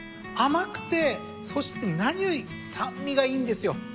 甘くてそして何より酸味がいいんですよ。